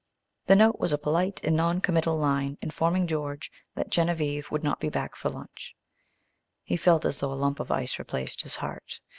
The note was a polite and noncommittal line informing George that Genevieve would not be back for lunch. He felt as though a lump of ice replaced his heart.